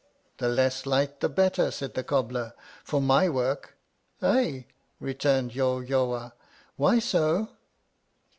The less light the better, said the cobbler, for my work. Ay ! returned Yawyawah ; why so